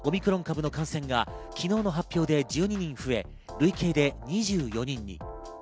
韓国ではオミクロン株の感染が昨日の発表で１２人増え、累計で２４人に。